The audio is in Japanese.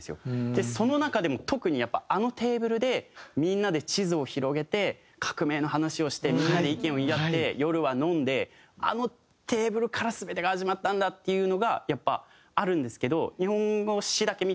でその中でも特にやっぱ「あのテーブルでみんなで地図を広げて革命の話をしてみんなで意見を言い合って夜は飲んであのテーブルから全てが始まったんだ」っていうのがやっぱあるんですけど日本語詞だけ見てるとあの情報がやっぱ